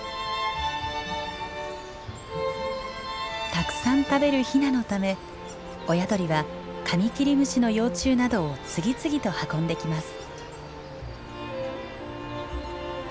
たくさん食べるヒナのため親鳥はカミキリムシの幼虫などを次々と運んできます。